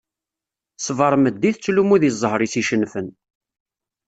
Ṣṣbeḥ meddi tettlummu deg zzher-is icennfen.